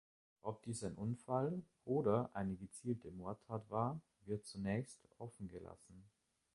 Ob dies ein Unfall oder eine gezielte Mordtat war wird zunächst offengelassen.